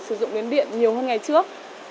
sử dụng điện nhiều hơn ngày trước